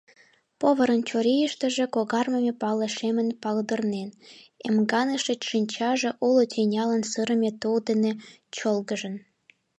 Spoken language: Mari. — Поварын чурийыштыже когаргыме пале шемын палдырнен, эмганыше шинчаже уло тӱнялан сырыме тул дене чолгыжын.